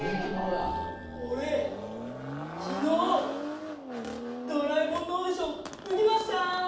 俺昨日「ドラえもん」のオーディション受けましたー！